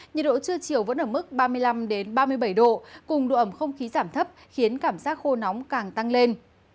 nhiệt độ trưa chiều vẫn ở mức ba mươi năm ba mươi bảy độ cùng độ ẩm không khí giảm thấp khiến cảm giác khô nóng càng tăng lên